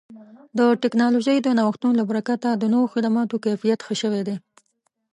د ټکنالوژۍ د نوښتونو له برکته د نوو خدماتو کیفیت ښه شوی دی.